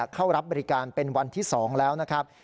เข้ารับบริการเป็นวันที่๒แล้วนะครับ